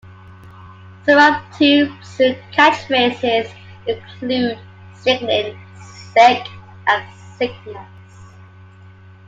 Some Of Tubes' Catchphrases include "Sickening" "Sick" and "Sickness".